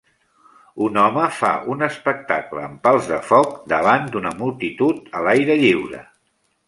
Un home fa un espectacle amb pals de foc davant d'una multitud a l'aire lliure.